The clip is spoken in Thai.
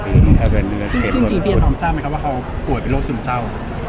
ซึ่งจริงพี่อาจารย์ความทราบไหมครับว่าเขาปวดเป็นโรคสูงเศร้า